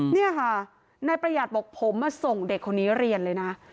นี่ค่ะนายประหยัดบอกผมมาส่งเด็กคนนี้เรียนเลยนะ